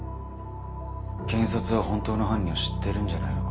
検察は本当の犯人を知ってるんじゃないのか？